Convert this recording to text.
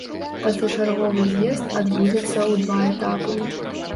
Пазачарговы з'езд адбудзецца ў два этапы.